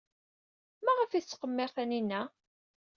Maɣef ay tettqemmir Taninna?